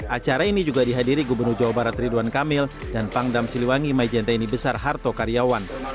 acara ini juga dihadiri gubernur jawa barat ridwan kamil dan pangdam siliwangi maijenteni besar harto karyawan